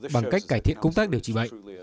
bằng cách cải thiện công tác điều trị bệnh